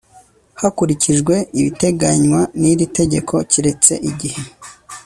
hakukijwe ibiteganywa n iri tegeko keretse igihe